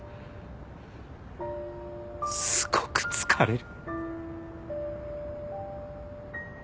すごく疲れる。